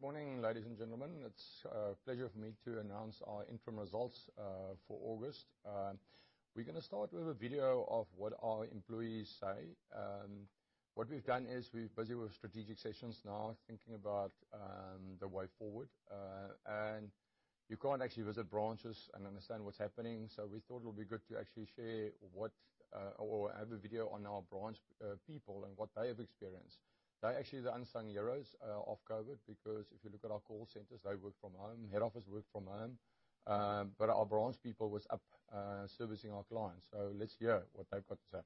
Good morning, ladies and gentlemen. It's a pleasure for me to announce our interim results for August. We're going to start with a video of what our employees say. What we've done is we're busy with strategic sessions now, thinking about the way forward. You can't actually visit branches and understand what's happening, so we thought it would be good to actually share or have a video on our branch people and what they have experienced. They're actually the unsung heroes of COVID, because if you look at our call centers, they work from home, head office work from home. Our branch people was up servicing our clients. Let's hear what they've got to say.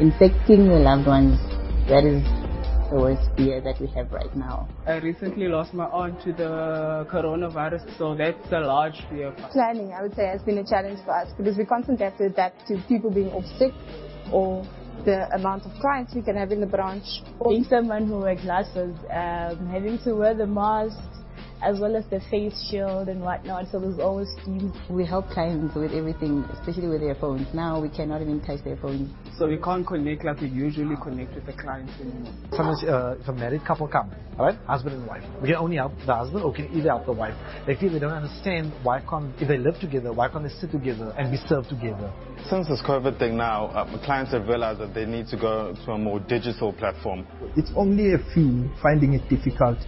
Infecting your loved ones, that is the worst fear that we have right now. I recently lost my aunt to the coronavirus. That's the large fear. Planning, I would say, has been a challenge for us because we constantly have to adapt to people being off sick or the amount of clients we can have in the branch. Being someone who wears glasses, having to wear the mask as well as the face shield and whatnot, so there's always steam. We help clients with everything, especially with their phones. Now we cannot even touch their phones. We can't connect like we usually connect with the clients anymore. Sometimes if a married couple come, husband and wife, we can only help the husband or can either help the wife. They feel they don't understand, if they live together, why can't they sit together and be served together. Since this COVID thing now, our clients have realized that they need to go to a more digital platform. It's only a few finding it difficult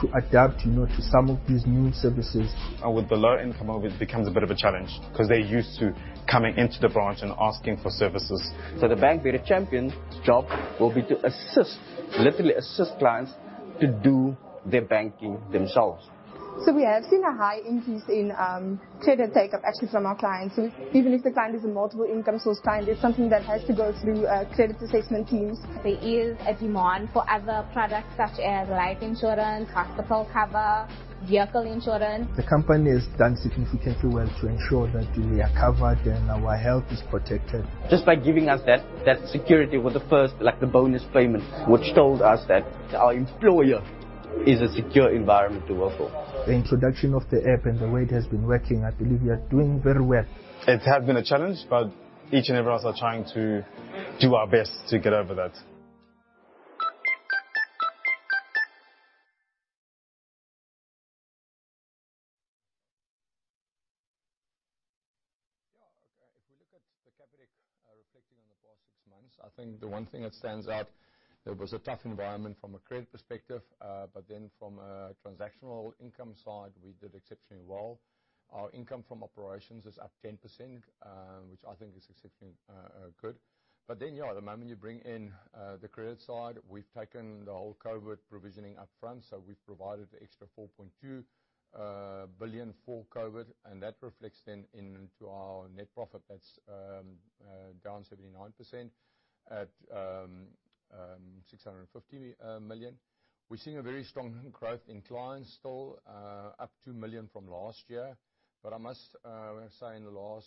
to adapt to some of these new services. With the low income it becomes a bit of a challenge, because they're used to coming into the branch and asking for services. The bank will be a champion. Its job will be to assist, literally assist clients to do their banking themselves. We have seen a high increase in credit take-up actually from our clients. Even if the client is a multiple income source client, it's something that has to go through credit assessment teams. There is a demand for other products such as life insurance, hospital cover, vehicle insurance. The company has done significantly well to ensure that we are covered and our health is protected. Just by giving us that security with the first bonus payment, which told us that our employer is a secure environment to work for. The introduction of the app and the way it has been working, I believe we are doing very well. It has been a challenge. Each and every one of us are trying to do our best to get over that. If we look at the Capitec, reflecting on the past six months, I think the one thing that stands out, it was a tough environment from a credit perspective. From a transactional income side, we did exceptionally well. Our income from operations is up 10%, which I think is exceptionally good. The moment you bring in the credit side, we've taken the whole COVID provisioning upfront. We've provided the extra 4.2 billion for COVID, and that reflects then into our net profit. That's down 79% at 650 million. We're seeing a very strong growth in clients still, up 2 million from last year. I must say in the last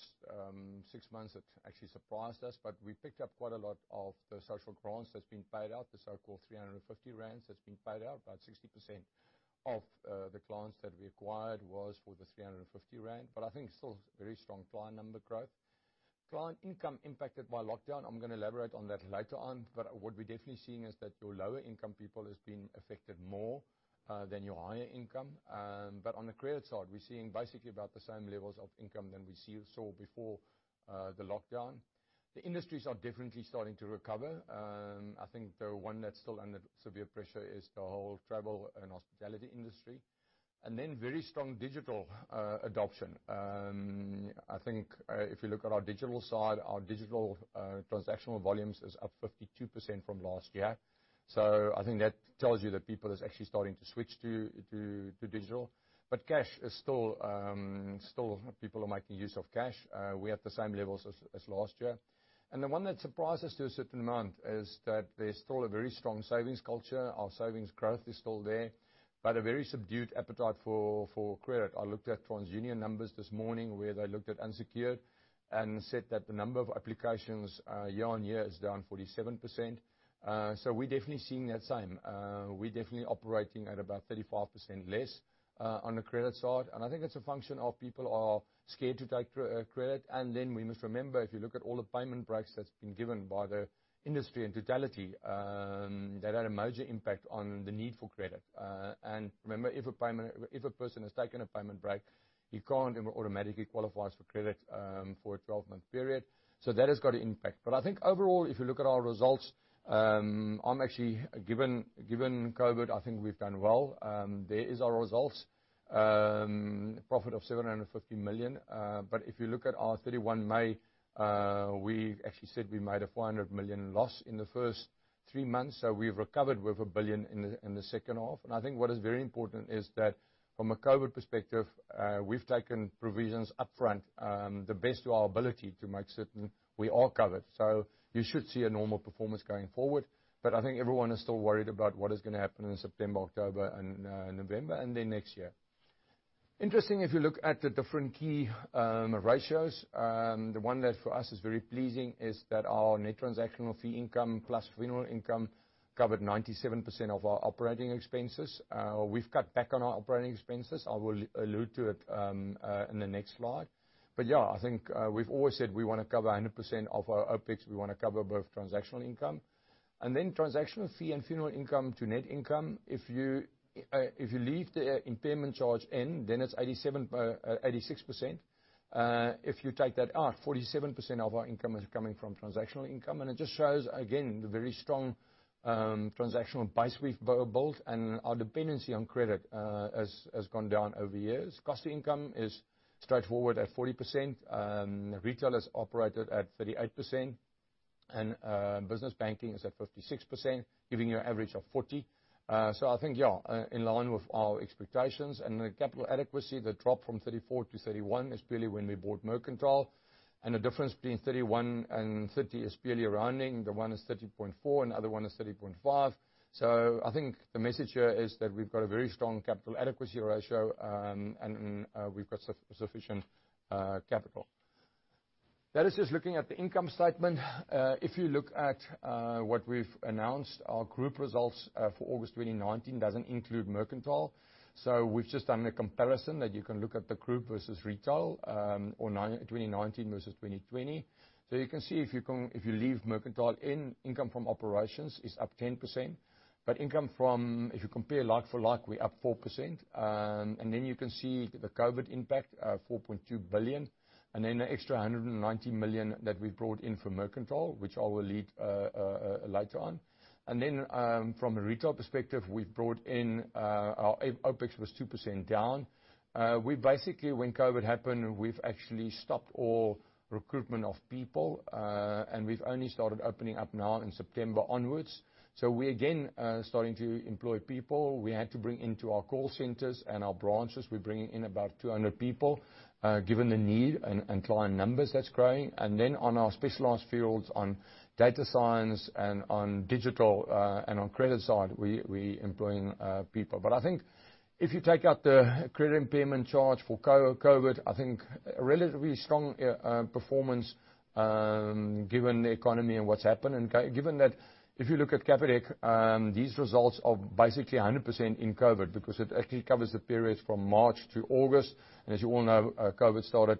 six months, it actually surprised us, but we picked up quite a lot of the social grants that's been paid out, the so-called 350 rand that's been paid out. About 60% of the clients that we acquired was for the 350 rand. I think still very strong client number growth. Client income impacted by lockdown. I'm going to elaborate on that later on. What we're definitely seeing is that your lower income people has been affected more than your higher income. On the credit side, we're seeing basically about the same levels of income than we saw before the lockdown. The industries are definitely starting to recover. I think the one that's still under severe pressure is the whole travel and hospitality industry. Very strong digital adoption. I think, if you look at our digital side, our digital transactional volumes is up 52% from last year. I think that tells you that people is actually starting to switch to digital. Cash, still people are making use of cash. We're at the same levels as last year. The one that surprised us to a certain amount is that there's still a very strong savings culture. Our savings growth is still there, a very subdued appetite for credit. I looked at TransUnion numbers this morning, where they looked at unsecured and said that the number of applications year-on-year is down 47%. We're definitely seeing that same. We're definitely operating at about 35% less on the credit side. I think it's a function of people are scared to take credit. We must remember, if you look at all the payment breaks that's been given by the industry in totality, that had a major impact on the need for credit. Remember, if a person has taken a payment break, he can't automatically qualify for credit for a 12-month period. That has got to impact. I think overall, if you look at our results, actually given COVID, I think we've done well. There is our results. Profit of 750 million. If you look at our 31 May, we actually said we made a 400 million loss in the first three months. We've recovered with 1 billion in the second half. I think what is very important is that from a COVID perspective, we've taken provisions upfront, the best to our ability to make certain we are covered. You should see a normal performance going forward. I think everyone is still worried about what is going to happen in September, October, and November, and then next year. Interesting, if you look at the different key ratios, the one that for us is very pleasing is that our net transactional fee income plus funeral income covered 97% of our operating expenses. We've cut back on our operating expenses. I will allude to it in the next slide. Yeah, I think we've always said we want to cover 100% of our OpEx. We want to cover both transactional income and then transactional fee and funeral income to net income. If you leave the impairment charge in, then it's 86%. If you take that out, 47% of our income is coming from transactional income. It just shows, again, the very strong transactional base we've built and our dependency on credit has gone down over years. Cost to income is straightforward at 40%. Retail has operated at 38% and business banking is at 56%, giving you an average of 40%. I think, yeah, in line with our expectations. The capital adequacy that dropped from 34 to 31 is purely when we bought Mercantile. The difference between 31 and 30 is purely rounding. The one is 30.4 and the other one is 30.5. I think the message here is that we've got a very strong capital adequacy ratio, and we've got sufficient capital. That is just looking at the income statement. If you look at what we've announced, our group results for August 2019 doesn't include Mercantile. We've just done a comparison that you can look at the group versus retail, or 2019 versus 2020. You can see if you leave Mercantile in, income from operations is up 10%. If you compare like for like, we're up 4%. Then you can see the COVID impact of 4.2 billion, then the extra 190 million that we've brought in from Mercantile, which I will lead later on. Then, from a retail perspective, we've brought in our OpEx was 2% down. We basically, when COVID happened, we've actually stopped all recruitment of people. We've only started opening up now in September onwards. We again are starting to employ people. We had to bring into our call centers and our branches. We're bringing in about 200 people, given the need and client numbers that's growing. Then on our specialized fields on data science and on digital, and on credit side, we're employing people. I think if you take out the credit impairment charge for COVID, I think a relatively strong performance, given the economy and what's happened. Given that if you look at Capitec, these results are basically 100% in COVID because it actually covers the period from March to August. As you all know, COVID started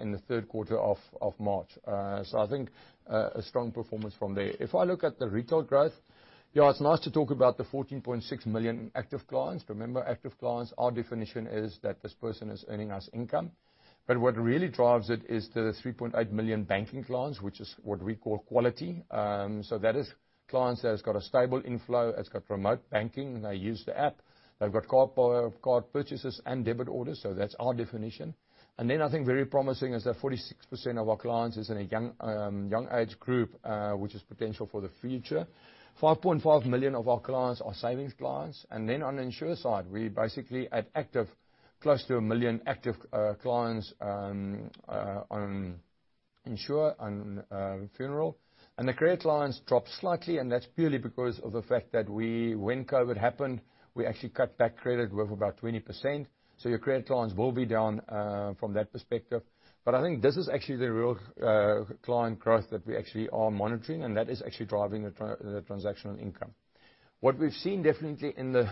in the third quarter of March. I think a strong performance from there. If I look at the retail growth, yeah, it's nice to talk about the 14.6 million active clients. Remember, active clients, our definition is that this person is earning us income. What really drives it is the 3.8 million banking clients, which is what we call quality. That is clients that has got a stable inflow, has got remote banking, and they use the app. They've got card purchases and debit orders. That's our definition. I think very promising is that 46% of our clients is in a young age group, which is potential for the future. 5.5 million of our clients are savings clients. Then on the insure side, we basically add active, close to 1 million active clients on insure and funeral. The credit clients dropped slightly, and that's purely because of the fact that when COVID happened, we actually cut back credit with about 20%. Your credit clients will be down from that perspective. I think this is actually the real client growth that we actually are monitoring, and that is actually driving the transactional income. What we've seen definitely in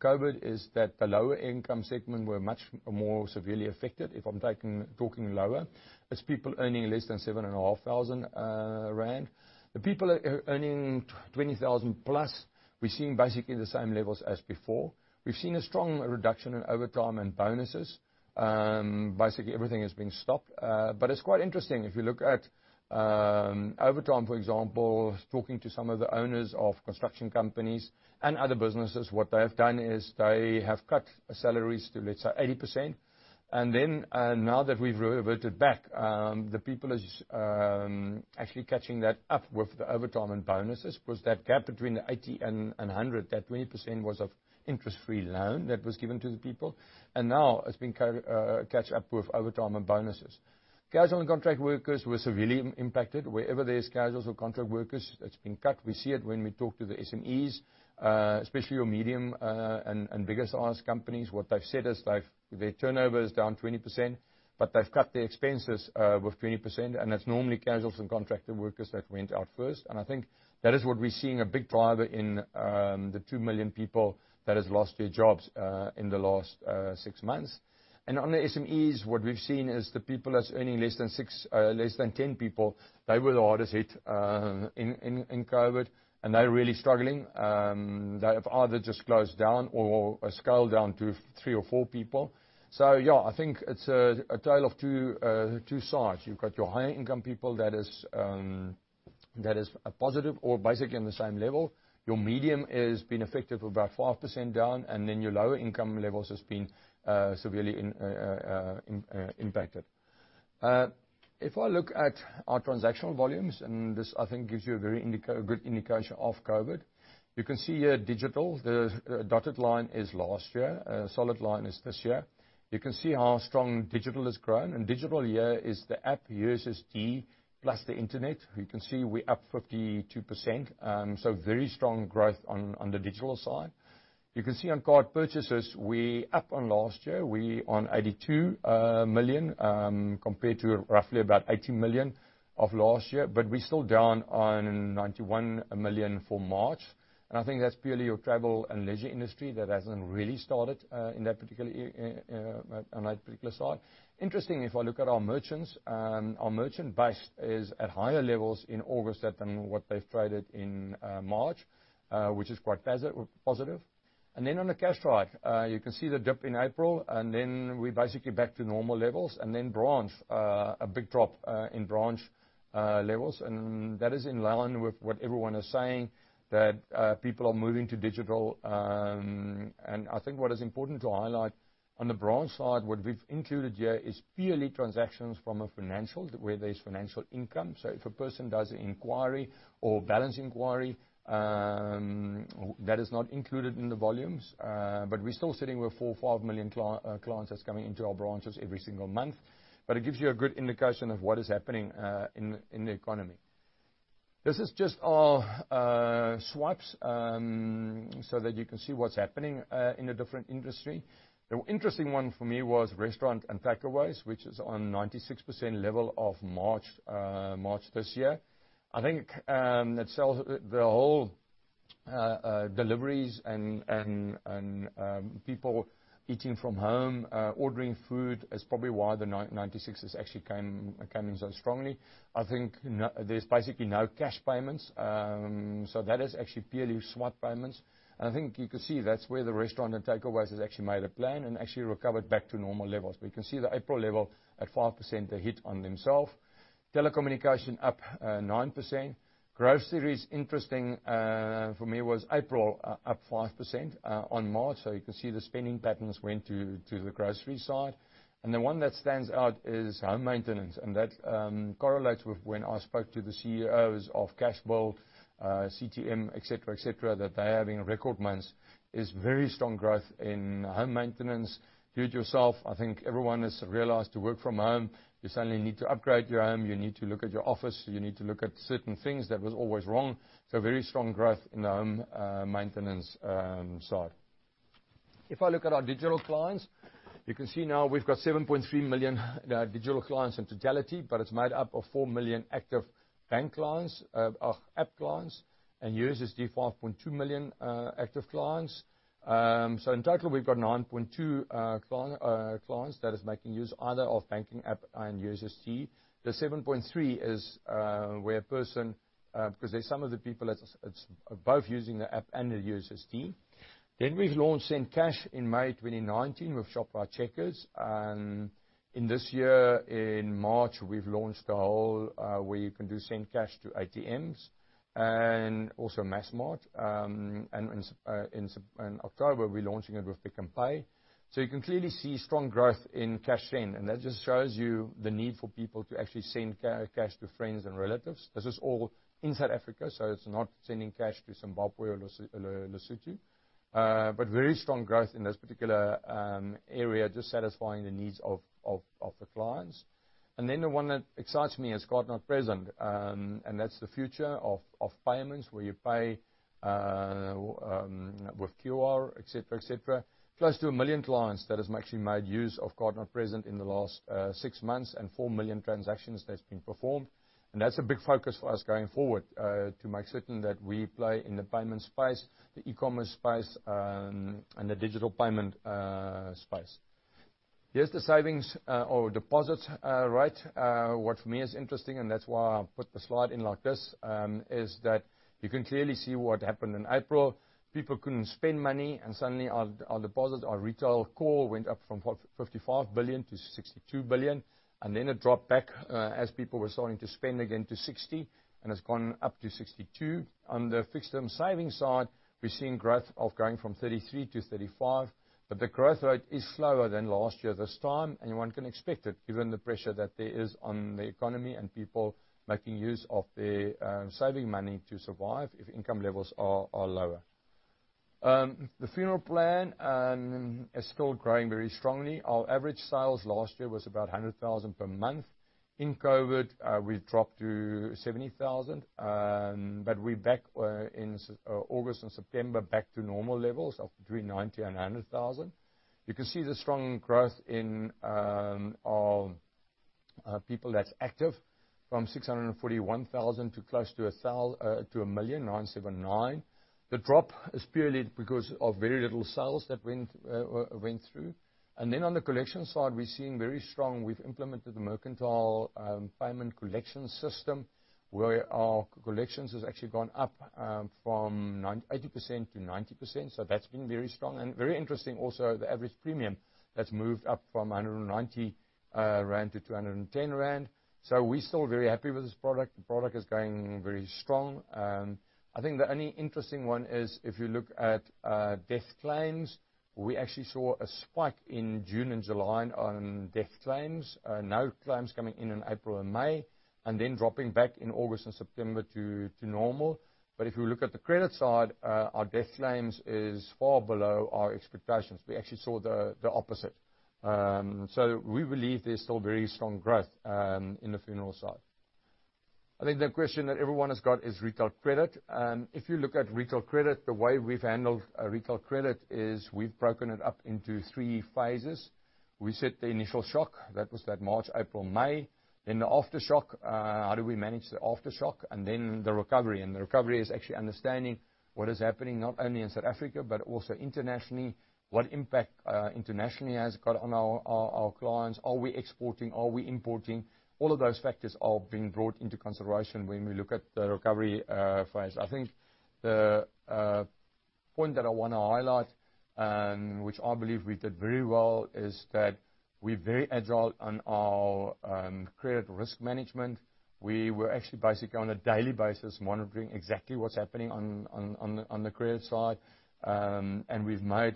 COVID is that the lower income segment were much more severely affected, if I'm talking lower. It's people earning less than 7,500 rand. The people earning 20,000 plus, we're seeing basically the same levels as before. We've seen a strong reduction in overtime and bonuses. Basically, everything has been stopped. It's quite interesting. If you look at overtime, for example, talking to some of the owners of construction companies and other businesses, what they have done is they have cut salaries to, let's say, 80%. Now that we've reverted back, the people is actually catching that up with the overtime and bonuses. That gap between the 80 and 100, that 20% was of interest-free loan that was given to the people. Now it's been caught, catch up with overtime and bonuses. Casual and contract workers were severely impacted. Wherever there is casuals or contract workers, that's been cut. We see it when we talk to the SMEs, especially your medium and bigger sized companies. What they've said is their turnover is down 20%, but they've cut their expenses with 20%, that's normally casuals and contracted workers that went out first. I think that is what we're seeing, a big driver in the 2 million people that has lost their jobs in the last six months. On the SMEs, what we've seen is the people that's earning less than 10 people, they were the hardest hit in COVID, and they're really struggling. They have either just closed down or scaled down to three or four people. Yeah, I think it's a tale of two sides. You've got your higher income people that is a positive or basically on the same level. Your medium is being affected with about 4% down, and then your lower income levels has been severely impacted. If I look at our transactional volumes, and this I think gives you a very good indication of COVID. You can see here digital, the dotted line is last year, solid line is this year. You can see how strong digital has grown, digital here is the app USSD plus the internet. You can see we're up 52%, so very strong growth on the digital side. You can see on card purchases, we're up on last year. We on 82 million, compared to roughly about 18 million of last year, but we're still down on 91 million for March. I think that's purely your travel and leisure industry that hasn't really started on that particular side. Interestingly, if I look at our merchants, our merchant base is at higher levels in August than what they've traded in March, which is quite positive. On the cash drive, you can see the dip in April, and then we're basically back to normal levels, and then branch, a big drop in branch levels. That is in line with what everyone is saying, that people are moving to digital. I think what is important to highlight on the branch side, what we've included here is purely transactions from a financial, where there's financial income. If a person does an inquiry or balance inquiry, that is not included in the volumes. We're still sitting with four or five million clients that's coming into our branches every single month. It gives you a good indication of what is happening in the economy. This is just our swipes, so that you can see what's happening in the different industry. The interesting one for me was restaurant and takeaways, which is on 96% level of March this year. I think the whole deliveries and people eating from home, ordering food is probably why the 96 has actually came in so strongly. I think there's basically no cash payments. That is actually purely swipe payments. I think you can see that's where the restaurant and takeaways has actually made a plan and actually recovered back to normal levels. You can see the April level at 5% hit on themself. Telecommunication up 9%. Grocery is interesting for me was April, up 5% on March, so you can see the spending patterns went to the grocery side. The one that stands out is home maintenance, and that correlates with when I spoke to the CEOs of Cashbuild, CTM, et cetera, that they're having record months. Is very strong growth in home maintenance. Do it yourself. I think everyone has realized to work from home, you suddenly need to upgrade your home, you need to look at your office. You need to look at certain things that was always wrong. Very strong growth in the home maintenance side. If I look at our digital clients, you can see now we've got 7.3 million digital clients in totality, but it's made up of 4 million active bank clients, app clients, and USSD 5.2 million active clients. In total, we've got 9.2 million clients that is making use either of banking app and USSD. The 7.3 is where person, because there's some of the people that's both using the app and the USSD. We've launched Send Cash in May 2019 with Shoprite Checkers. In this year, in March, we've launched a whole where you can do Send Cash to ATMs, and also Massmart. In October, we're launching it with Pick n Pay. You can clearly see strong growth in cash send, and that just shows you the need for people to actually send cash to friends and relatives. This is all inside Africa, so it's not sending cash to Zimbabwe or Lesotho. Very strong growth in this particular area, just satisfying the needs of the clients. The one that excites me is card not present. That's the future of payments, where you pay with QR, et cetera. Close to 1 million clients that has actually made use of card not present in the last six months, and 4 million transactions that's been performed. That's a big focus for us going forward, to make certain that we play in the payment space, the e-commerce space, and the digital payment space. Here's the savings or deposits rate. What for me is interesting, and that's why I put the slide in like this, is that you can clearly see what happened in April. People couldn't spend money. Suddenly our deposits, our retail core went up from 55 billion-62 billion. Then it dropped back as people were starting to spend again to 60 billion. It's gone up to 62 billion. On the fixed and savings side, we're seeing growth of going from 33 billion to 35 billion. The growth rate is slower than last year this time. One can expect it given the pressure that there is on the economy and people making use of their saving money to survive if income levels are lower. The funeral plan is still growing very strongly. Our average sales last year was about 100,000 per month. In COVID, we've dropped to 70,000. We're back in August and September back to normal levels of between 90,000 and 100,000. You can see the strong growth in our people that's active, from 641,000 to close to 1 million, 979. The drop is purely because of very little sales that went through. On the collection side, we're seeing very strong. We've implemented the Mercantile payment collection system, where our collections has actually gone up from 80% to 90%, so that's been very strong. Very interesting also, the average premium that's moved up from 190-210 rand. We're still very happy with this product. The product is going very strong. I think the only interesting one is if you look at death claims, we actually saw a spike in June and July on death claims. No claims coming in in April and May, and then dropping back in August and September to normal. If you look at the credit side, our death claims is far below our expectations. We actually saw the opposite. We believe there's still very strong growth in the funeral side. I think the question that everyone has got is retail credit. If you look at retail credit, the way we've handled retail credit is we've broken it up into three phases. We set the initial shock. That was that March, April, May. The aftershock, how do we manage the aftershock? The recovery. The recovery is actually understanding what is happening, not only in South Africa, but also internationally. What impact internationally has it got on our clients? Are we exporting? Are we importing? All of those factors are being brought into consideration when we look at the recovery phase. I think the point that I want to highlight, which I believe we did very well, is that we're very agile on our credit risk management. We were actually basically, on a daily basis, monitoring exactly what's happening on the credit side. We've made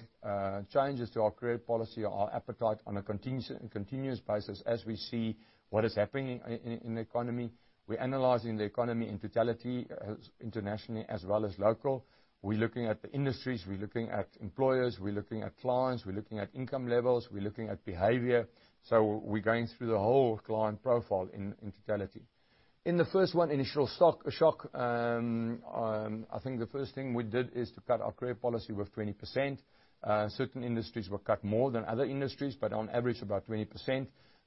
changes to our credit policy, our appetite, on a continuous basis as we see what is happening in the economy. We're analyzing the economy in totality, internationally as well as local. We're looking at the industries. We're looking at employers. We're looking at clients. We're looking at income levels. We're looking at behavior. We're going through the whole client profile in totality. In the first one, initial shock, I think the first thing we did is to cut our credit policy with 20%. Certain industries were cut more than other industries, but on average, about 20%.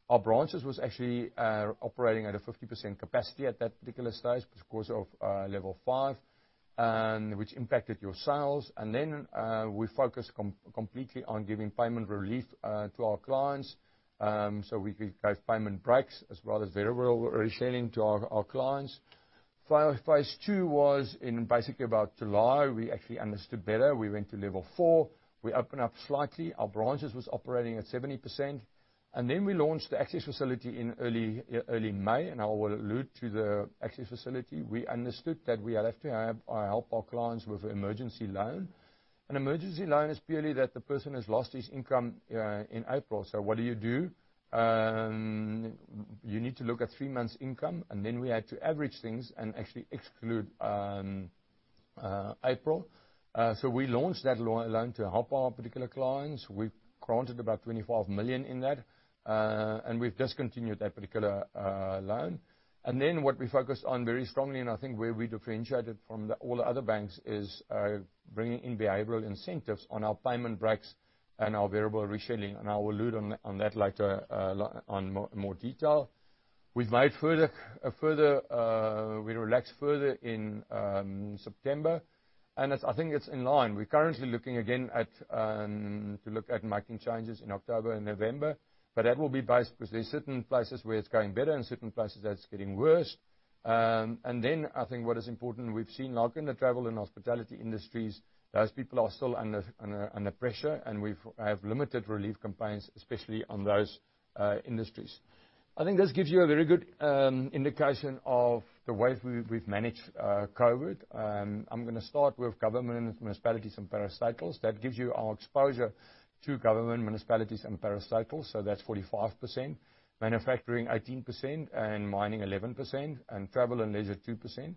Our branches was actually operating at a 50% capacity at that particular stage because of level five, which impacted your sales. Then, we focused completely on giving payment relief to our clients, so we gave payment breaks as well as variable rescheduling to our clients. Phase two was in basically about July. We actually understood better. We went to level 4. We opened up slightly. Our branches was operating at 70%. Then we launched the Access Facility in early May, and I will allude to the Access Facility. We understood that we have to help our clients with emergency loan. An emergency loan is purely that the person has lost his income in April. What do you do? You need to look at three months' income, and then we had to average things and actually exclude April. We launched that loan to help our particular clients. We granted about 25 million in that. We've discontinued that particular loan. What we focused on very strongly, and I think where we differentiated from all the other banks, is bringing in behavioral incentives on our payment breaks and our variable rescheduling. I will allude to that later on more detail. We relaxed further in September, I think it's in line. We're currently looking again to look at making changes in October and November. That will be based, because there's certain places where it's going better and certain places that it's getting worse. I think what is important, we've seen now in the travel and hospitality industries, those people are still under pressure, and we have limited relief campaigns, especially on those industries. I think this gives you a very good indication of the way we've managed COVID. I'm going to start with government, municipalities and parastatals. That gives you our exposure to government, municipalities and parastatals. That's 45%. Manufacturing, 18%, and mining, 11%, and travel and leisure, 2%.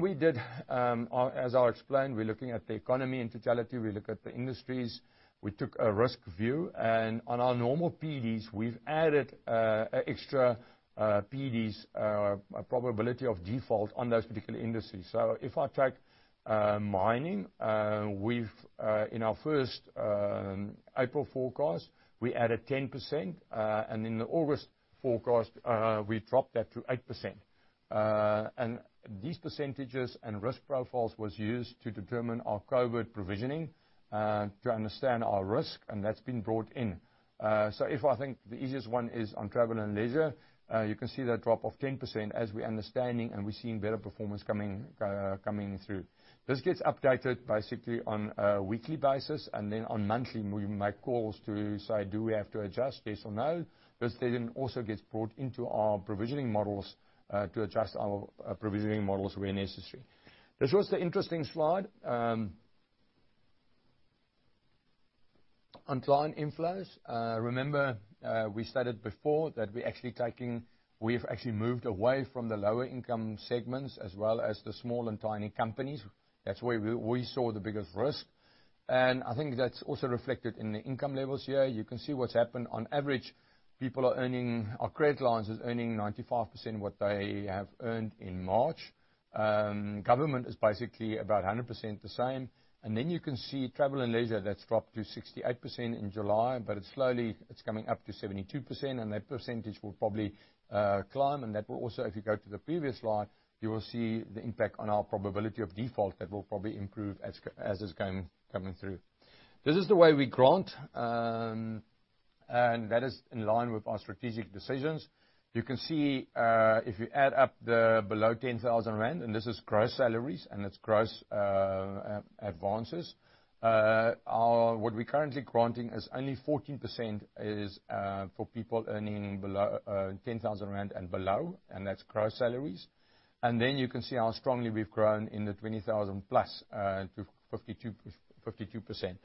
We did, as I explained, we're looking at the economy in totality. We look at the industries. We took a risk view. On our normal PDs, we've added extra PDs, probability of default, on those particular industries. If I take mining, in our first April forecast, we added 10%, and in the August forecast, we dropped that to 8%. These percentages and risk profiles was used to determine our COVID provisioning to understand our risk, and that's been brought in. If I think the easiest one is on travel and leisure, you can see that drop of 10% as we're understanding and we're seeing better performance coming through. This gets updated basically on a weekly basis, and then on monthly, we make calls to say, do we have to adjust, yes or no. This then also gets brought into our provisioning models to adjust our provisioning models where necessary. This was the interesting slide. On client inflows, remember we stated before that we've actually moved away from the lower income segments as well as the small and tiny companies. That's where we saw the biggest risk. I think that's also reflected in the income levels here. You can see what's happened. On average, our credit clients is earning 95% what they have earned in March. Government is basically about 100% the same. You can see travel and leisure, that's dropped to 68% in July, but it's coming up to 72%, and that percentage will probably climb. That will also, if you go to the previous slide, you will see the impact on our probability of default. That will probably improve as is coming through. This is the way we grant. That is in line with our strategic decisions. You can see, if you add up the below 10,000 rand, and this is gross salaries and it's gross advances, what we're currently granting is only 14% is for people earning 10,000 rand and below, and that's gross salaries. You can see how strongly we've grown in the 20,000+ to 52%.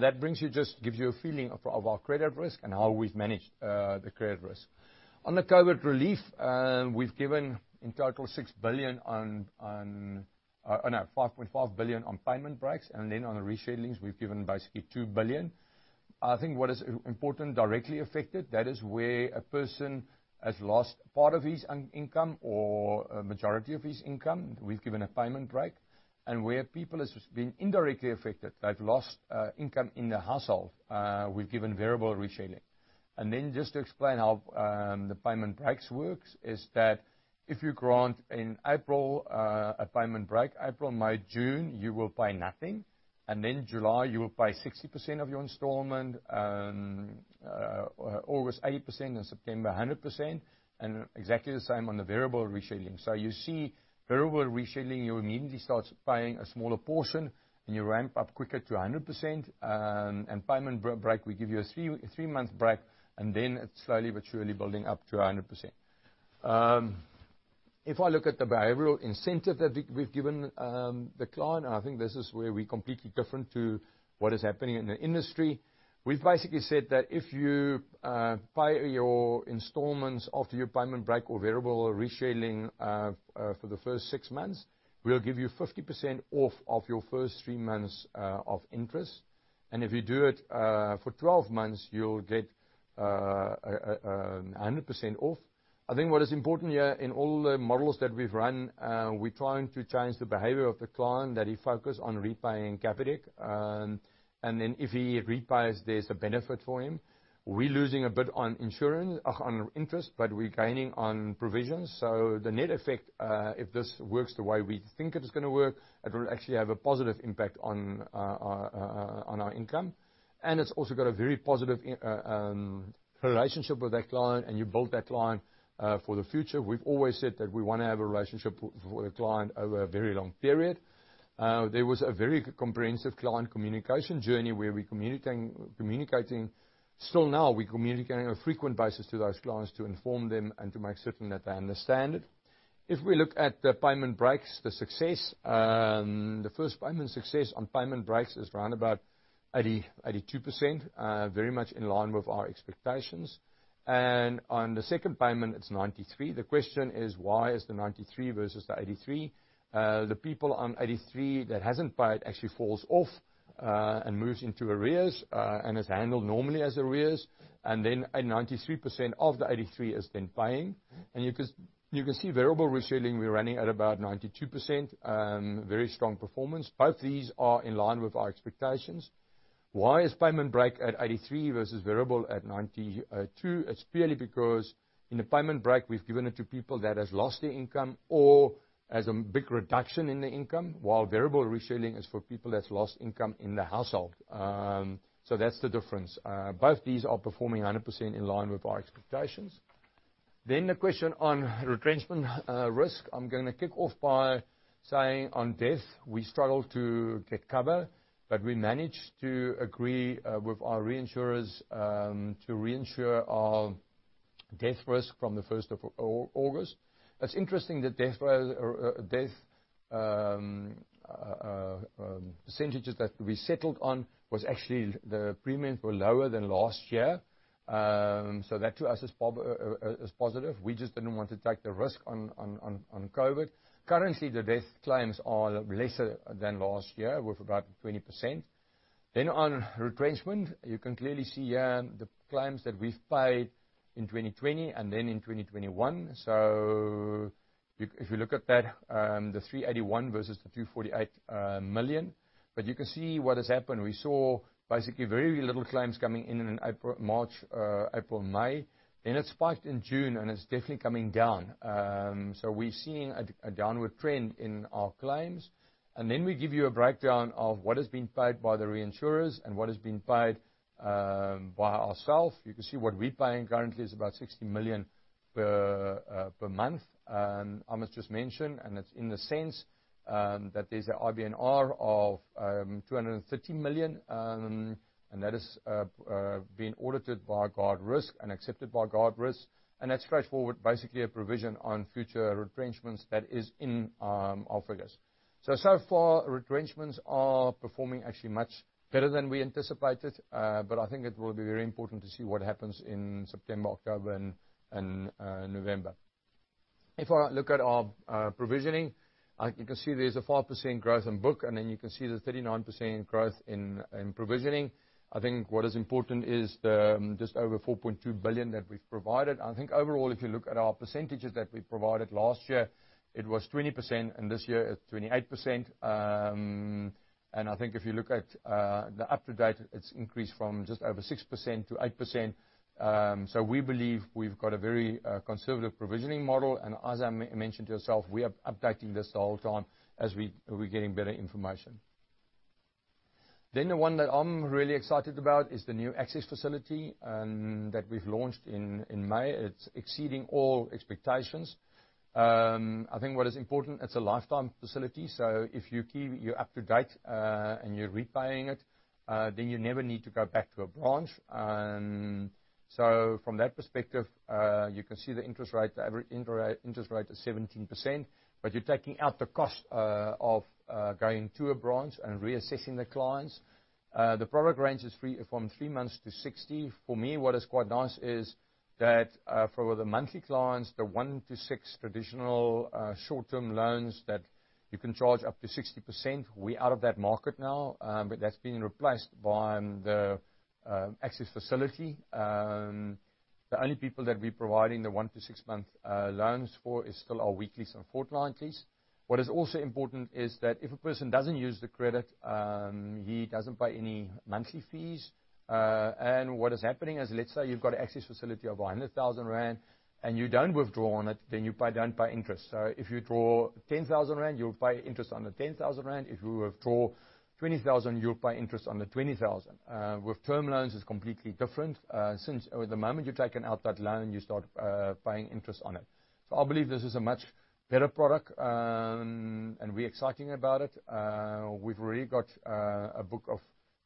That just gives you a feeling of our credit risk and how we've managed the credit risk. On the COVID relief, we've given in total 6 billion on Oh, no, 5.5 billion on payment breaks. On the reschedulings, we've given basically 2 billion. I think what is important, directly affected, that is where a person has lost part of his income or a majority of his income. We've given a payment break. Where people has been indirectly affected, they've lost income in the household, we've given variable rescheduling. Just to explain how the payment breaks works is that if you grant in April a payment break, April, May, June, you will pay nothing. July, you will pay 60% of your installment, August 80%, and September 100%. Exactly the same on the variable rescheduling. You see variable rescheduling, you immediately start paying a smaller portion, and you ramp up quicker to 100%, and payment break will give you a three-month break, and then it's slowly but surely building up to 100%. If I look at the behavioral incentive that we've given the client, I think this is where we're completely different to what is happening in the industry. We've basically said that if you pay your installments after your payment break or variable rescheduling for the first six months, we'll give you 50% off of your first three months of interest. If you do it for 12 months, you'll get 100% off. I think what is important here, in all the models that we've run, we're trying to change the behavior of the client, that he focus on repaying Capitec. If he repays, there's a benefit for him. We're losing a bit on interest, but we're gaining on provisions. The net effect, if this works the way we think it is going to work, it will actually have a positive impact on our income. It's also got a very positive relationship with that client, and you build that client for the future. We've always said that we want to have a relationship with a client over a very long period. There was a very comprehensive client communication journey where we're communicating. Still now, we're communicating on a frequent basis to those clients to inform them and to make certain that they understand it. If we look at the payment breaks, the success, the first payment success on payment breaks is around about 82%, very much in line with our expectations. On the second payment, it's 93%. The question is, why is the 93% versus the 83%? The people on 83% that hasn't paid actually falls off, and moves into arrears, and is handled normally as arrears. Then 93% of the 83% is then paying. You can see variable rescheduling, we're running at about 92%, very strong performance. Both these are in line with our expectations. Why is payment break at 83% versus variable at 92%? It's purely because in the payment break, we've given it to people that has lost their income or has a big reduction in their income, while variable rescheduling is for people that's lost income in the household. That's the difference. Both these are performing 100% in line with our expectations. The question on retrenchment risk, I'm going to kick off by saying on death, we struggled to get cover, but we managed to agree with our reinsurers to reinsure our death risk from the 1st of August. What's interesting, the death percentages that we settled on was actually the premiums were lower than last year. That, to us, is positive. We just didn't want to take the risk on COVID. Currently, the death claims are lesser than last year with about 20%. On retrenchment, you can clearly see here the claims that we've paid in 2020 and in 2021. If you look at that, the 381 million versus the 248 million. You can see what has happened. We saw basically very little claims coming in in March, April, May. It spiked in June, and it's definitely coming down. We're seeing a downward trend in our claims. We give you a breakdown of what is being paid by the reinsurers and what is being paid by ourself. You can see what we're paying currently is about 60 million per month. Ahmed just mentioned, it's in the sense, that there's IBNR of 230 million, that is being audited by Guardrisk and accepted by Guardrisk. That's straightforward, basically a provision on future retrenchments that is in our figures. So far, retrenchments are performing actually much better than we anticipated. I think it will be very important to see what happens in September, October, and November. If I look at our provisioning, you can see there's a 5% growth in book, then you can see the 39% growth in provisioning. I think what is important is the just over 4.2 billion that we've provided. I think overall, if you look at our percentages that we provided last year, it was 20%, this year it's 28%. I think if you look at the up-to-date, it's increased from just over 6% to 8%. We believe we've got a very conservative provisioning model. As I mentioned to yourself, we are updating this the whole time as we're getting better information. The one that I'm really excited about is the new Access Facility that we've launched in May. It's exceeding all expectations. I think what is important, it's a lifetime facility. If you keep up to date, and you're repaying it, you never need to go back to a branch. From that perspective, you can see the interest rate. The average interest rate is 17%, but you're taking out the cost of going to a branch and reassessing the clients. The product range is from three months to 60. For me, what is quite nice is that for the monthly clients, the one-six traditional short-term loans that you can charge up to 60%, we are out of that market now. That's been replaced by the Access Facility. The only people that we're providing the one-six-month loans for is still our weeklies and fortnightlies. What is also important is that if a person doesn't use the credit, he doesn't pay any monthly fees. What is happening is, let's say, you've got Access Facility of 100,000 rand, and you don't withdraw on it, then you don't pay interest. If you draw 10,000 rand, you'll pay interest on the 10,000 rand. If you withdraw 20,000, you'll pay interest on the 20,000. With term loans, it's completely different since the moment you've taken out that loan, you start paying interest on it. I believe this is a much better product, and we're excited about it. We've already got a book of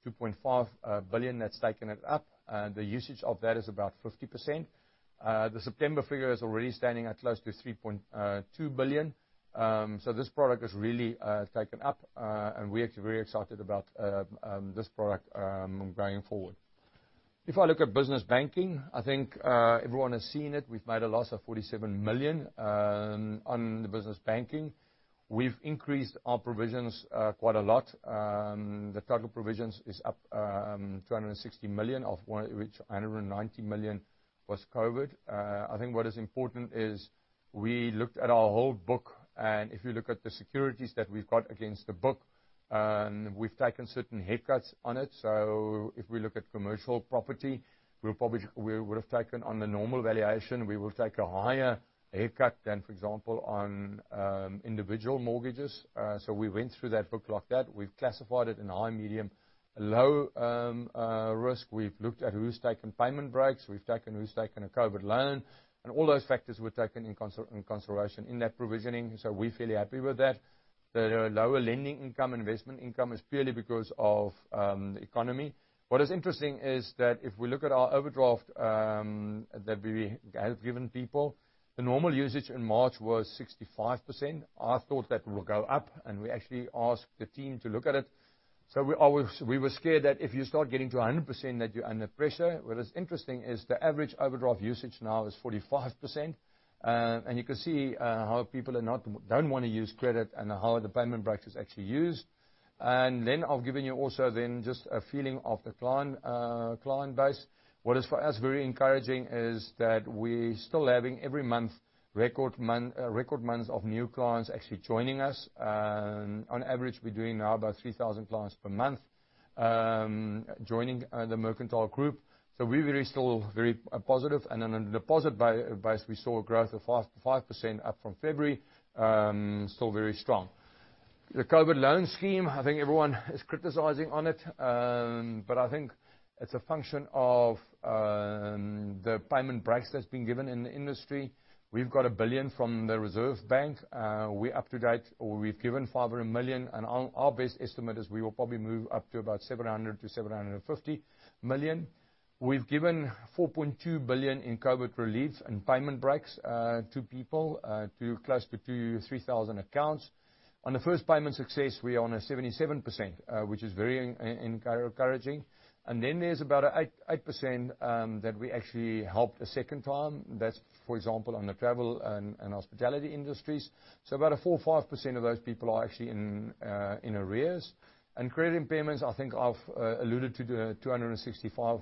2.5 billion that's taken it up. The usage of that is about 50%. The September figure is already standing at close to 3.2 billion. This product has really taken up, and we're actually very excited about this product going forward. If I look at business banking, I think everyone has seen it. We've made a loss of 47 million on business banking. We've increased our provisions quite a lot. The total provisions is up to 260 million, of which 190 million was COVID. I think what is important is we looked at our whole book, and if you look at the securities that we've got against the book, we've taken certain haircuts on it. If we look at commercial property, on the normal valuation, we will take a higher haircut than, for example, on individual mortgages. We went through that book like that. We've classified it in high, medium, low risk. We've looked at who's taken payment breaks. We've taken who's taken a COVID loan. All those factors were taken in consideration in that provisioning, so we're fairly happy with that. The lower lending income, investment income is purely because of the economy. What is interesting is that if we look at our overdraft that we have given people, the normal usage in March was 65%. I thought that will go up, and we actually asked the team to look at it. We were scared that if you start getting to 100%, that you're under pressure. What is interesting is the average overdraft usage now is 45%, and you can see how people don't want to use credit and how the payment break is actually used. I've given you also then just a feeling of the client base. What is for us very encouraging is that we're still having every month record months of new clients actually joining us. On average, we're doing now about 3,000 clients per month joining the Mercantile Group. We're very still very positive. On the deposit base, we saw a growth of 5% up from February. Still very strong. The COVID loan scheme, I think everyone is criticizing on it. I think it's a function of the payment breaks that's been given in the industry. We've got 1 billion from the Reserve Bank. We're up to date, or we've given 500 million, and our best estimate is we will probably move up to about 700 million-750 million. We've given 4.2 billion in COVID relief and payment breaks to people, to close to 3,000 accounts. On the first payment success, we are on a 77%, which is very encouraging. Then there's about 8% that we actually helped a second time. That's, for example, on the travel and hospitality industries. About 4% or 5% of those people are actually in arrears. Credit impairments, I think I've alluded to the 265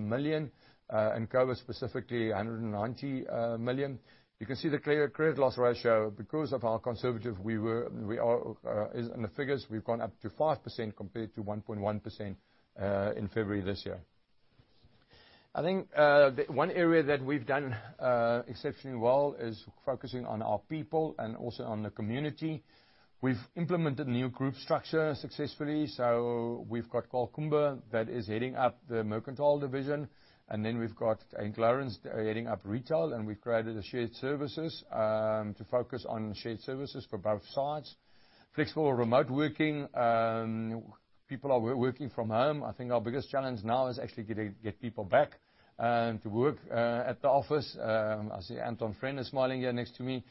million. In COVID specifically, 190 million. You can see the credit loss ratio because of how conservative we are in the figures. We've gone up to 5% compared to 1.1% in February this year. I think one area that we've done exceptionally well is focusing on our people and also on the community. We've implemented new group structure successfully. We've got Karl Kumbier that is heading up the Mercantile Bank. Then we've got Clarence heading up retail, and we've created a shared services to focus on shared services for both sides. Flexible remote working. People are working from home. I think our biggest challenge now is actually get people back to work at the office. I see Anton Friend is smiling here next to me.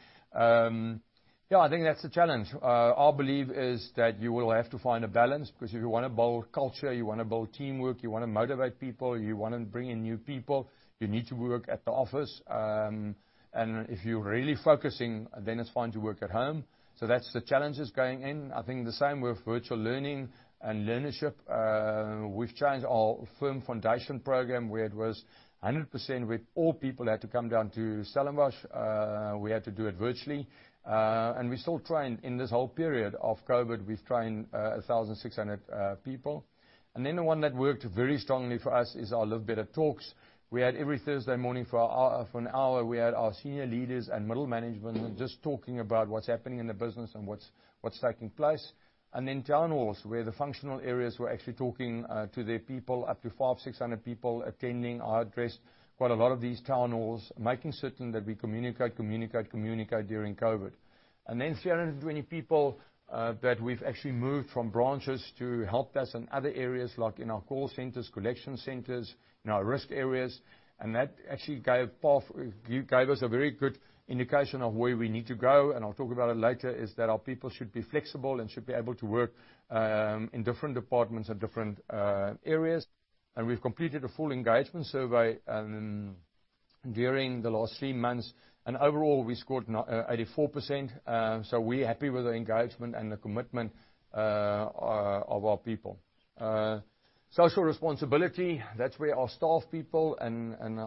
Yeah, I think that's the challenge. Our belief is that you will have to find a balance because if you want to build culture, you want to build teamwork, you want to motivate people, you want to bring in new people, you need to work at the office. If you're really focusing, it's fine to work at home. That's the challenges going in. I think the same with virtual learning and learnership. We've changed our Firm Foundation program where it was 100% with all people had to come down to Stellenbosch. We had to do it virtually. We still trained in this whole period of COVID. We've trained 1,600 people. The one that worked very strongly for us is our Live Better Talks. We had every Thursday morning for an hour, we had our senior leaders and middle management just talking about what's happening in the business and what's taking place. Town halls, where the functional areas were actually talking to their people, up to 500 or 600 people attending. I addressed quite a lot of these town halls, making certain that we communicate, communicate during COVID. 320 people that we've actually moved from branches to help desk and other areas like in our call centers, collection centers, in our risk areas. That actually gave us a very good indication of where we need to go, and I'll talk about it later, is that our people should be flexible and should be able to work in different departments and different areas. We've completed a full engagement survey during the last three months, and overall, we scored 84%. We're happy with the engagement and the commitment of our people. Social responsibility, that's where our staff people and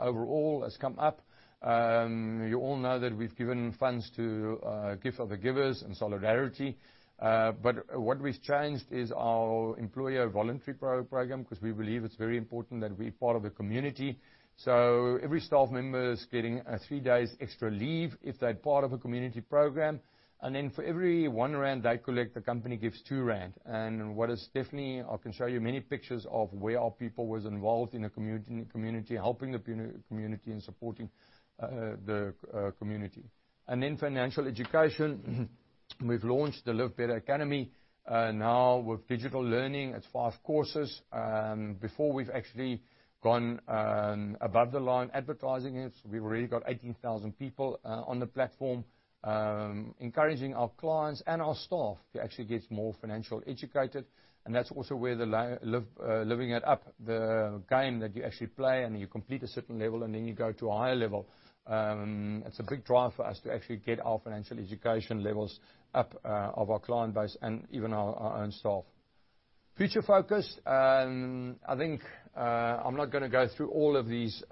overall has come up. You all know that we've given funds to Gift of the Givers in solidarity. What we've changed is our employer voluntary program, because we believe it's very important that we're part of the community. Every staff member is getting three days extra leave if they're part of a community program. For every 1 rand they collect, the company gives 2 rand. What is definitely, I can show you many pictures of where our people was involved in the community, helping the community, and supporting the community. In financial education, we've launched the Live Better Academy. Now with digital learning, it's five courses. Before we've actually gone above the line advertising it. We've already got 18,000 people on the platform. Encouraging our clients and our staff to actually get more financial educated. That's also where the Livin' It Up, the game that you actually play, and you complete a certain level, and then you go to a higher level. It's a big drive for us to actually get our financial education levels up of our client base and even our own staff. Future focus. I think I'm not going to go through all of these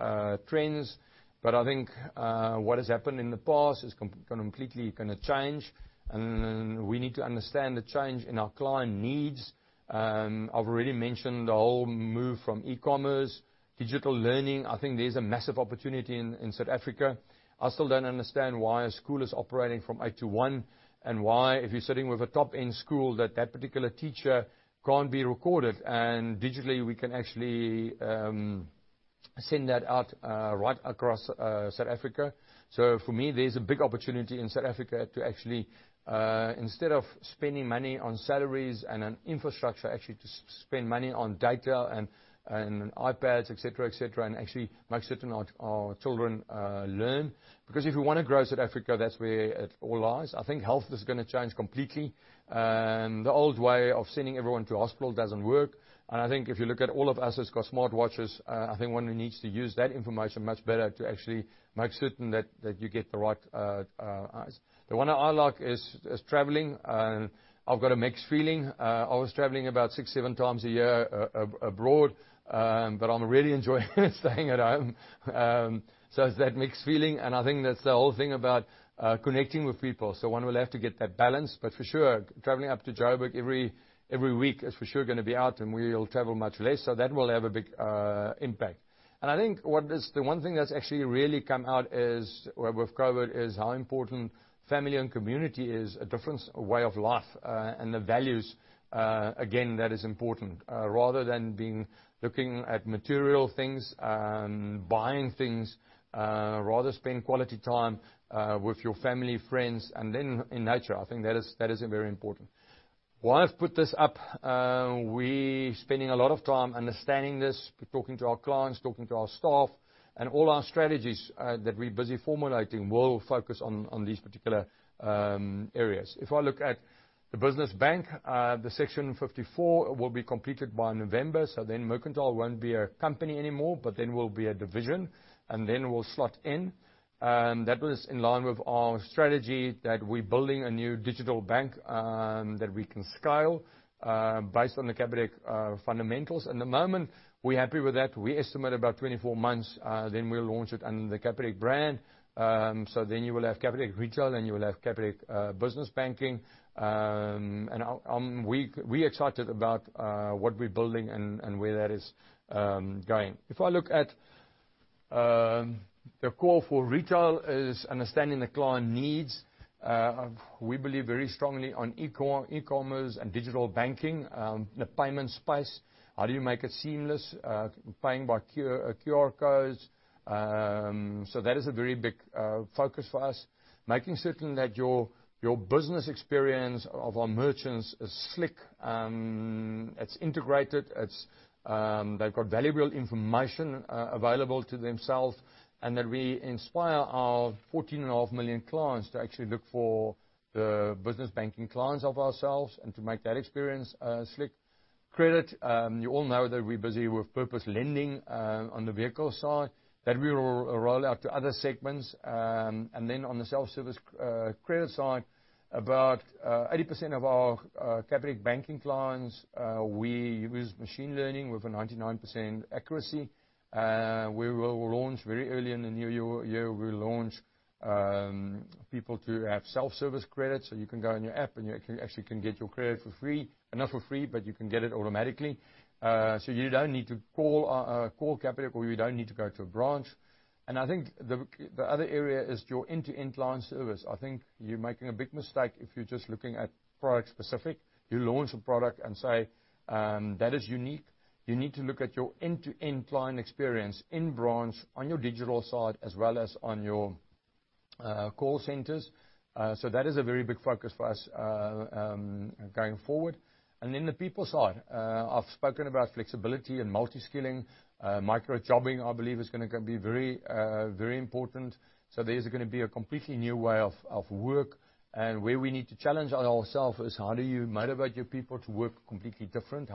trends, but I think what has happened in the past is completely going to change. We need to understand the change in our client needs. I've already mentioned the whole move from e-commerce, digital learning. I think there's a massive opportunity in South Africa. I still don't understand why a school is operating from 8:00 A.M. to 1:00 P.M., and why, if you're sitting with a top-end school, that that particular teacher can't be recorded. Digitally, we can actually send that out right across South Africa. For me, there's a big opportunity in South Africa to actually instead of spending money on salaries and on infrastructure, actually to spend money on data and iPads, et cetera, and actually make certain our children learn. If we want to grow South Africa, that's where it all lies. I think health is going to change completely. The old way of sending everyone to a hospital doesn't work. I think if you look at all of us has got smart watches, I think one who needs to use that information much better to actually make certain that you get the right. The one I like is traveling. I've got a mixed feeling. I was traveling about six, seven times a year abroad. I'm really enjoying staying at home. It's that mixed feeling, and I think that's the whole thing about connecting with people. One will have to get that balance. For sure, traveling up to Joburg every week is for sure going to be out, and we'll travel much less. That will have a big impact. I think what is the one thing that's actually really come out with COVID is how important family and community is, a different way of life. The values, again, that is important. Rather than looking at material things, buying things, rather spend quality time with your family, friends, and then in nature. I think that is very important. Why I've put this up, we spending a lot of time understanding this, talking to our clients, talking to our staff. All our strategies that we're busy formulating will focus on these particular areas. If I look at the business bank, the Section 54 will be completed by November. Mercantile won't be a company anymore, will be a division. We'll slot in. That was in line with our strategy that we're building a new digital bank that we can scale based on the Capitec fundamentals. At the moment, we're happy with that. We estimate about 24 months, we'll launch it under the Capitec brand. You will have Capitec retail, and you will have Capitec business banking. We're excited about what we're building and where that is going. If I look at the call for retail is understanding the client needs. We believe very strongly on e-commerce and digital banking, the payment space. How do you make it seamless? Paying by QR codes. That is a very big focus for us. Making certain that your business experience of our merchants is slick. It's integrated. They've got valuable information available to themselves. That we inspire our 14.5 million clients to actually look for the business banking clients of ourselves and to make that experience slick. Credit. You all know that we're busy with purpose lending on the vehicle side. That we will roll out to other segments. On the self-service credit side, about 80% of our Capitec Bank clients, we use machine learning with a 99% accuracy. We will launch very early in the new year. We'll launch people to have self-service credit. You can go on your app, and you actually can get your credit for free. Not for free, but you can get it automatically. You don't need to call Capitec Bank, or you don't need to go to a branch. I think the other area is your end-to-end client service. I think you're making a big mistake if you're just looking at product specific. You launch a product and say, "That is unique." You need to look at your end-to-end client experience in branch, on your digital side, as well as on your call centers. That is a very big focus for us going forward. Then the people side. I've spoken about flexibility and multi-skilling. Micro jobbing, I believe, is going to be very important. There's going to be a completely new way of work. Where we need to challenge ourselves is how do you motivate your people to work completely different?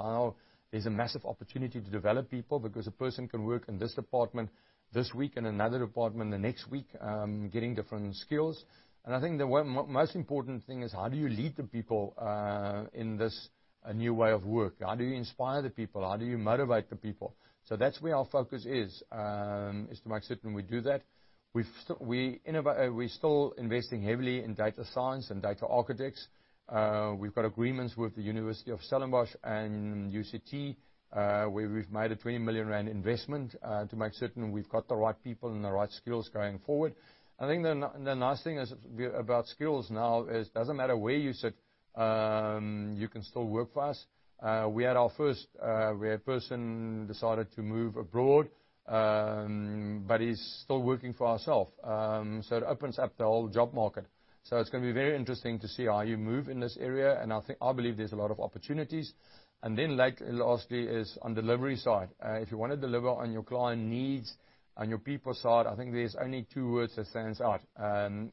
There's a massive opportunity to develop people because a person can work in this department this week and another department the next week, getting different skills. I think the most important thing is how do you lead the people in this new way of work? How do you inspire the people? How do you motivate the people? That's where our focus is to make certain we do that. We're still investing heavily in data science and data architects. We've got agreements with the Stellenbosch University and UCT, where we've made a 20 million rand investment to make certain we've got the right people and the right skills going forward. I think the nice thing about skills now is it doesn't matter where you sit, you can still work for us. We had our first where a person decided to move abroad, but he's still working for ourselves. It opens up the whole job market. It's going to be very interesting to see how you move in this area, and I believe there's a lot of opportunities. Lastly is on delivery side. If you want to deliver on your client needs, on your people side, I think there's only two words that stands out.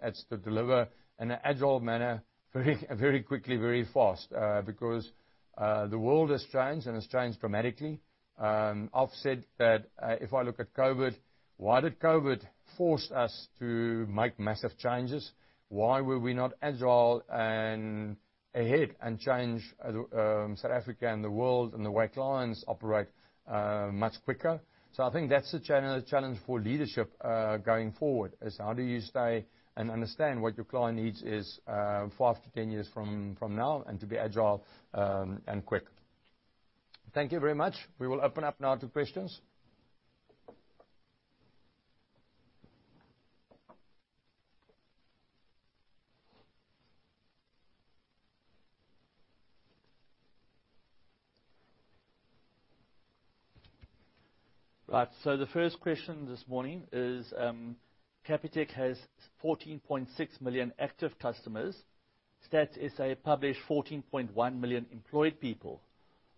It's to deliver in an agile manner, very quickly, very fast. The world has changed, and it's changed dramatically. I've said that if I look at COVID, why did COVID force us to make massive changes? Why were we not agile and ahead and change South Africa and the world and the way clients operate much quicker? I think that's the challenge for leadership going forward, is how do you stay and understand what your client needs is 5-10 years from now, and to be agile and quick. Thank you very much we will open up now to questions. Right. The first question this morning is, Capitec has 14.6 million active customers. Stats SA publish 14.1 million employed people.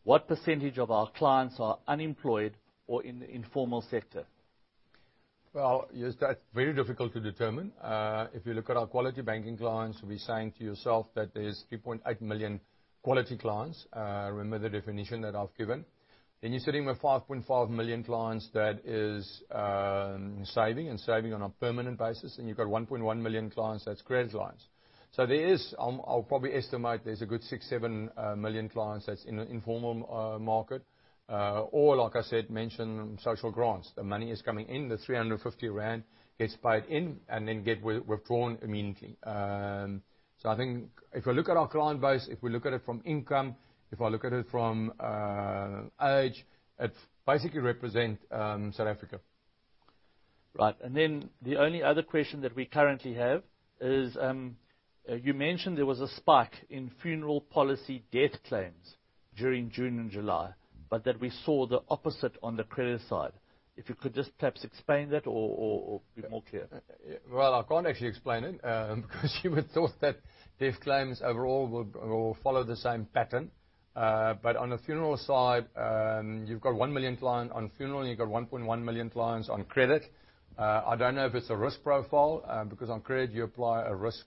What % of our clients are unemployed or in the informal sector? That's very difficult to determine. If you look at our quality banking clients, you'll be saying to yourself that there's 3.8 million quality clients. Remember the definition that I've given. You're sitting with 5.5 million clients that is saving, and saving on a permanent basis. You've got 1.1 million clients that's credit clients. There is, I'll probably estimate there's a good six, seven million clients that's in the informal market. Like I said, mention social grants. The money is coming in, the 350 rand gets paid in and then get withdrawn immediately. I think if I look at our client base, if we look at it from income, if I look at it from age, it basically represent South Africa. Right. The only other question that we currently have is, you mentioned there was a spike in funeral policy death claims during June and July, but that we saw the opposite on the credit side. If you could just perhaps explain that or be more clear. Well, I can't actually explain it, because you would've thought that death claims overall will follow the same pattern. On the funeral side, you've got 1 million clients on funeral, and you've got 1.1 million clients on credit. I don't know if it's a risk profile, because on credit, you apply a risk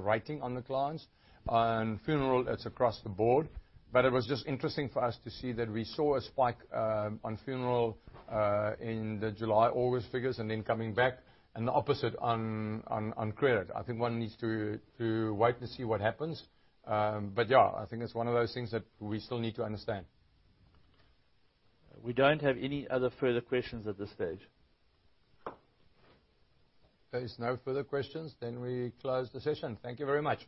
rating on the clients. On funeral, it's across the board. It was just interesting for us to see that we saw a spike on funeral in the July, August figures coming back, and the opposite on credit. I think one needs to wait to see what happens. Yeah, I think it's one of those things that we still need to understand. We don't have any other further questions at this stage. If there's no further questions, then we close the session. Thank you very much.